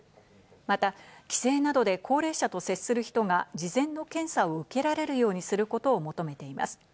また、帰省などで高齢者と接する人が事前の検査を受けられるようにすることを求めています。